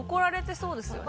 そうですね。